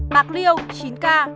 bạc liêu chín ca